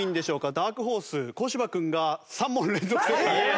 ダークホース小柴君が３問連続正解。